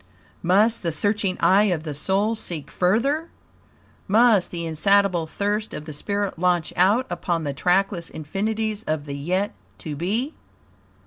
Must the searching eye of the Soul seek further? Must the insatiable thirst of the Spirit launch out upon the trackless infinities of the yet To Be?